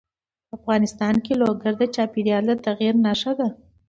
افغانستان کې لوگر د چاپېریال د تغیر نښه ده.